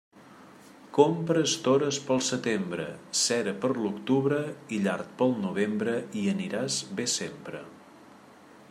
Compra estores pel setembre, cera per l'octubre i llard pel novembre i aniràs bé sempre.